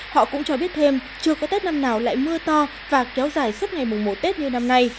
họ cũng cho biết thêm chưa có tết năm nào lại mưa to và kéo dài suốt ngày mùa tết như năm nay